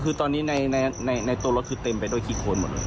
คือตอนนี้ในตัวรถคือเต็มไปด้วยขี้โคนหมดเลย